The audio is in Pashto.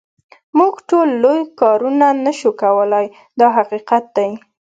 موږ ټول لوی کارونه نه شو کولای دا حقیقت دی.